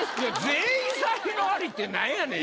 全員才能アリって何やねん！